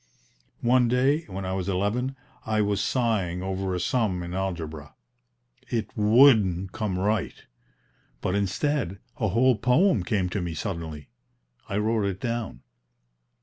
One day, when I was eleven, I was sighing over a sum in algebra: it WOULDN'T come right; but instead a whole poem came to me suddenly. I wrote it down.